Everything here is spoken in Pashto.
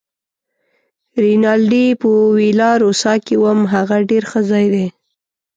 رینالډي: په ویلا روسا کې وم، هغه ډېر ښه ځای دی.